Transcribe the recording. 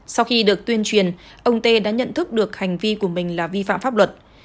sau khi được tuyên truyền ông tê đã nhận thức được hành vi của mình là vi phạm pháp luật